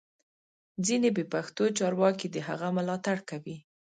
ځینې بې پښتو چارواکي د هغه ملاتړ کوي